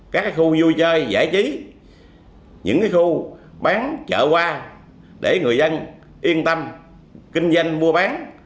các khu vui chơi giải trí những khu bán chợ qua để người dân yên tâm kinh doanh mua bán